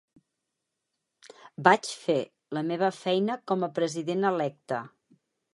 Vaig fer la meva feina com a president electe.